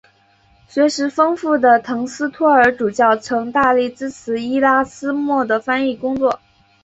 学识丰富的滕斯托尔主教曾大力支持伊拉斯谟的翻译工作。